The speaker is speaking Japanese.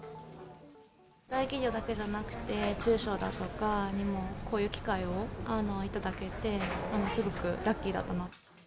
大企業だけじゃなくて、中小だとかにもこういう機会を頂けて、すごくラッキーだったな。